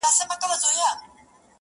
ما لیدې چي به په توره شپه کي راسې -